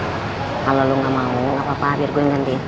kalau lu gak mau gak apa apa biar gue ngantin